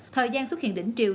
thời gian xuất hiện đỉnh triều